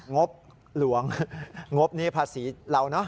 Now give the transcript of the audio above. งบหลวงงบนี้ภาษีเราเนอะ